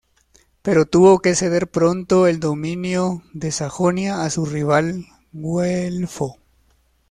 Pero tuvo que ceder pronto el dominio de Sajonia a su rival güelfo.